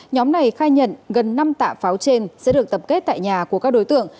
nhóm này khai nhận gần năm tạ pháo trên sẽ được tập kết tại nhà của các đối tượng